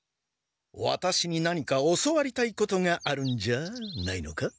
ワタシに何か教わりたいことがあるんじゃあないのか？